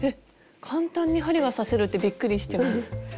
簡単に針が刺せるってびっくりしてます。